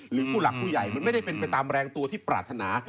หรือผู้หลักผู้ใหญ่มันไม่ได้เป็นไปตามแรงตัวที่ปรารถนา